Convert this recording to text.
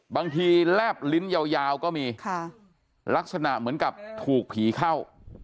บางทีแลบลิ้นยาวก็มีลักษณะเหมือนกับถูกผีเข้า